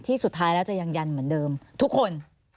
สุดท้ายแล้วจะยังยันเหมือนเดิมทุกคน